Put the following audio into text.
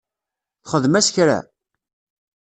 Txedmeḍ-as kra?